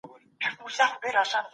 دا د هنر ريښتينی ځواک دی